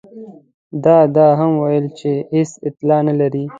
ده دا هم وویل چې هېڅ اطلاع نه لري.